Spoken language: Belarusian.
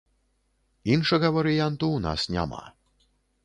Іншага варыянту ў нас няма.